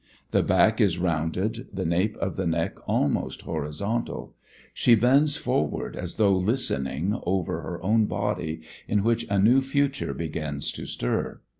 The back is rounded, the nape of the neck almost horizontal. She bends forward as though listening over her own body in which a new future begins to stir.